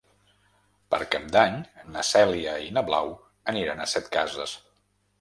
Per Cap d'Any na Cèlia i na Blau aniran a Setcases.